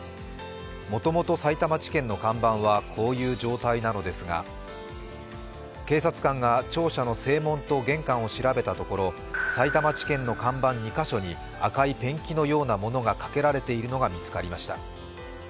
もともとさいたま地検の看板はこういう状態なのですが、警察官が庁舎の正門と玄関を調べたところさいたま地検の看板２カ所に赤いペンキのようなものがかけられているのが見つかりました。